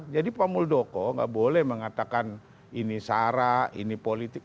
jadi pak muldoko nggak boleh mengatakan ini sara ini politik